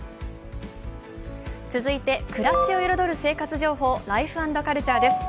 続いて暮らしを彩る生活情報、「ライフ＆カルチャー」です。